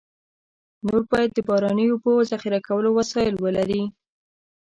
نور باید د باراني اوبو ذخیره کولو وسایل ولري.